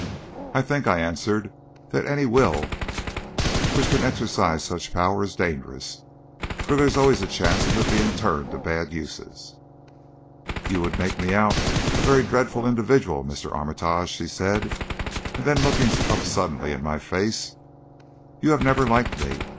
"I think," I answered, "that any will which can exercise such power is dangerous for there is always a chance of its being turned to bad uses." "You would make me out a very dreadful individual, Mr. Armitage," she said; and then looking up suddenly in my face "You have never liked me.